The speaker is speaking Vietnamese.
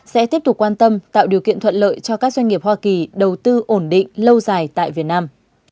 sẽ tiếp tục quan tâm tạo điều kiện thuận lợi cho các doanh nghiệp hoa kỳ đầu tư ổn định lâu dài tại việt nam